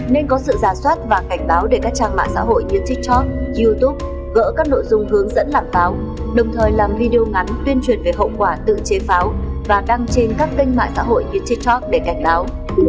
nên có sự giả soát và cảnh báo để các trang mạng xã hội như tiktok youtube gỡ các nội dung hướng dẫn làm pháo đồng thời làm video ngắn tuyên truyền về hậu quả tự chế pháo và đăng trên các kênh mạng xã hội như tiktok để cảnh báo